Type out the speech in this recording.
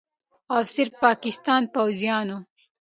او صرف پاکستان پوځیانو